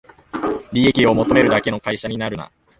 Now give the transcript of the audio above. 利益を求めるだけの会社になるな